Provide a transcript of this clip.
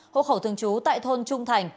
hộ khẩu thương chú tại thôn trung thành